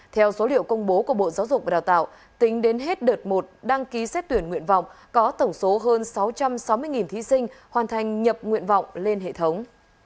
theo số liệu công bố của bộ giáo dục và đào tạo tính đến hết đợt một đăng ký xét tuyển nguyện vọng có tổng số hơn sáu trăm sáu mươi thí sinh hoàn thành nhập nguyện vọng lên hệ thống